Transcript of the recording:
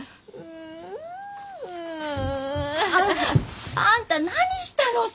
あんたあんた何したのさ！？